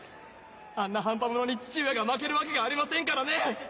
あんな半端者に父上が負けるわけがありませんからね！